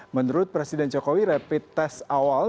menurut presiden jokowi rapid test awal